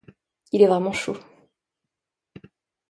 Il est vraiment chou !